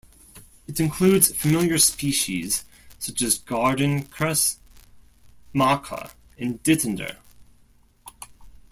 It includes familiar species such as garden cress, maca, and dittander.